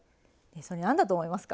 それ何だと思いますか？